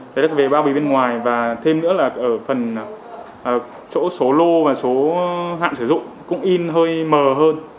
trái đất về bao bì bên ngoài và thêm nữa là ở phần chỗ số lô và số hạn sử dụng cũng in hơi mờ hơn